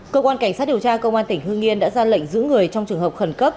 cơ quan cảnh sát điều tra công an tỉnh hương yên đã ra lệnh giữ người trong trường hợp khẩn cấp